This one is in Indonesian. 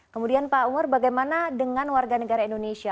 kemudian pak umar bagaimana dengan warga negara indonesia